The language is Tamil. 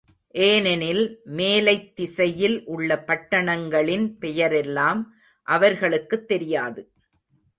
ஏனெனில் மேலைத் திசையில் உள்ள பட்டணங்களின் பெயரெல்லாம் அவர்களுக்குத் தெரியாது.